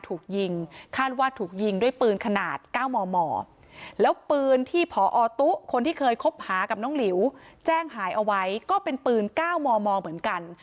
อู๋แจ้งหายเอาไว้ก็เป็นปืนแก้วมองเหมือนกัน